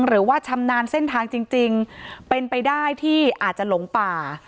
หรือว่าชำนาญเส้นทางจริงเป็นไปได้ที่อาจจะหลงป่า